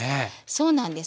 そうなんです。